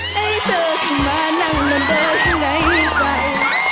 ให้เธอขึ้นมานั่งดนเดอร์ข้างในใจ